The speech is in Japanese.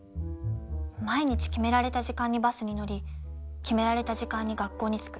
毎日決められた時間にバスに乗り決められた時間に学校に着く。